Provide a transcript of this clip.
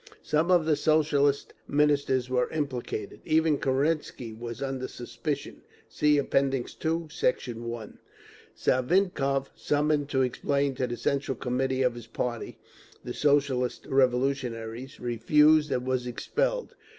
Some of the Socialist Ministers were implicated; even Kerensky was under suspicion. (See App. II, Sect. 1) Savinkov, summoned to explain to the Central Committee of his party, the Socialist Revolutionaries, refused and was expelled.